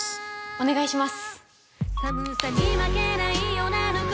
お願いします